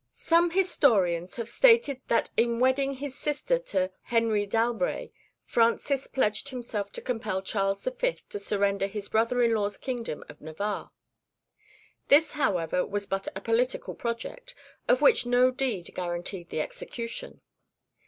_ Some historians have stated that in wedding his sister to Henry d'Albret, Francis pledged himself to compel Charles V. to surrender his brother in law's kingdom of Navarre. This, however, was but a political project, of which no deed guaranteed the execution.